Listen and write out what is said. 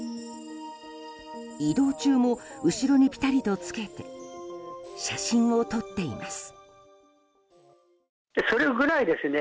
移動中も、後ろにぴたりとつけて写真を撮っています。